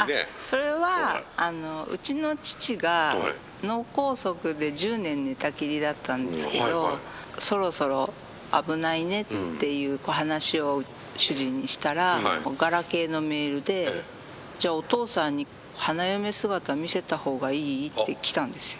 それはうちの父が脳梗塞で１０年寝たきりだったんですけどそろそろ危ないねっていう話を主人にしたらガラケーのメールで「じゃあお父さんに花嫁姿見せた方がいい？」って来たんですよ。